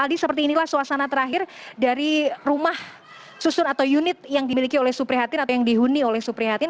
aldi seperti inilah suasana terakhir dari rumah susun atau unit yang dimiliki oleh suprihatin atau yang dihuni oleh suprihatin